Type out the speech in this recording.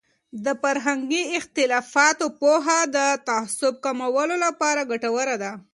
د فرهنګي اختلافاتو پوهه د تعصب کمولو لپاره ګټوره دی.